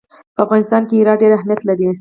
په افغانستان کې هرات ډېر اهمیت لري.